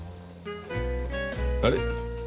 あれ？